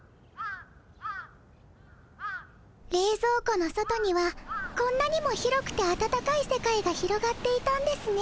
れいぞう庫の外にはこんなにも広くて温かい世界が広がっていたんですね。